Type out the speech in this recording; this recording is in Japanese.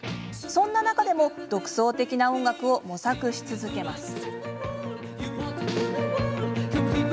そんな中でも独創的な音楽を模索し続けます。